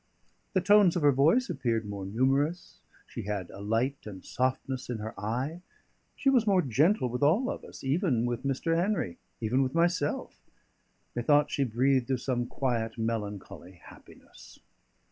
The tones of her voice appeared more numerous; she had a light and softness in her eye; she was more gentle with all of us, even with Mr. Henry, even with myself; methought she breathed of some quiet melancholy happiness.